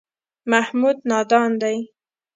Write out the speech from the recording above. محمود نادان دی.